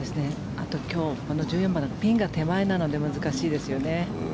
あと、今日この１４番のピンが手前なので難しいですよね。